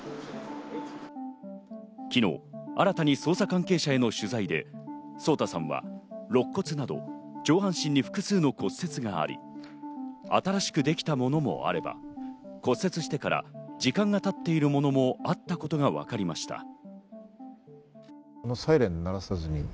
昨日、新たに捜査関係者への取材で、颯太さんは肋骨など上半身に複数の骨折があり、新しくできたものもあれば骨折してから時間が経っているものもあったことがわかりました。